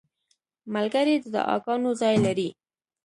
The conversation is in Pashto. ملګری د دعاګانو ځای لري.